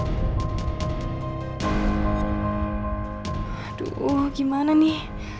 aduh gimana nih